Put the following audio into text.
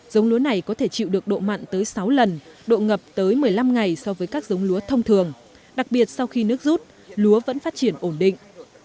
giống lúa này có thể chịu được độ mặn tới sáu lần độ ngập tới một mươi năm ngày so với các giống lúa thông thường đặc biệt sau khi nước rút lúa vẫn phát triển ổn định